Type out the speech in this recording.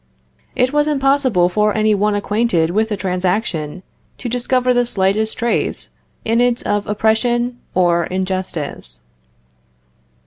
It was impossible for any one acquainted with the transaction to discover the slightest trace in it of oppression or injustice.